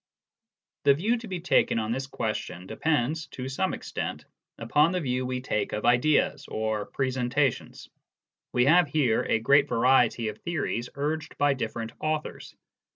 The view to be taken on this question depends, to some extent, upon the view we take of " ideas " or " presentations." We have here a great variety of theories urged by different authors.